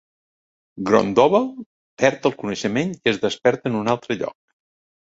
Grondoval perd el coneixement i es desperta en un altre lloc.